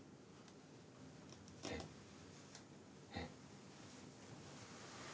えっ？えっ？